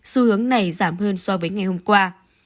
xu hướng này giảm hơn so với ngày hôm qua